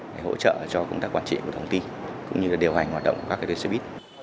để hỗ trợ cho công tác quản trị